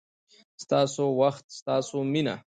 ستاسو وخت، ستاسو مینه